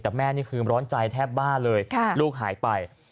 แต่แม่นี่คือร้อนใจแทบบ้าเลยลูกหายไป